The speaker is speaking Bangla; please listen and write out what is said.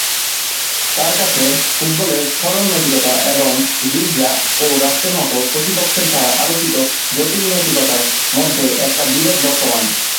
তাঁর কাছে, ফুটবলের সরল নৈতিকতা এবং গীর্জা ও রাষ্ট্রের মত কর্তৃপক্ষের দ্বারা আরোপিত জটিল নৈতিকতার মধ্যে একটা বিরোধ বর্তমান।